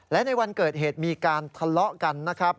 และในวันเกิดเหตุมีการทะเลาะกันนะครับ